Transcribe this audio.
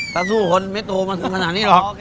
ถ้าถูกไม่ปดตัวมันคืนประมาณนี้หรอก